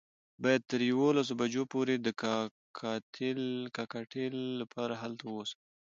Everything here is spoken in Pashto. باید تر یوولسو بجو پورې د کاکټیل لپاره هلته ووسم.